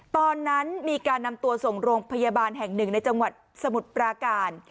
ตอนนั้นมีการนำตัวส่งโรงพยาบาลแห่งหนึ่งในจังหวัดสมุทรปราการ